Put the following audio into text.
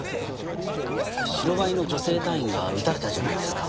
白バイの女性隊員が撃たれたじゃないですか。